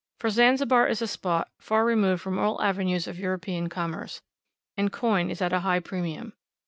For Zanzibar is a spot far removed from all avenues of European commerce, and coin is at a high premium.